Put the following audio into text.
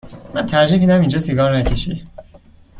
من ترجیح می دهم اینجا سیگار نکشی.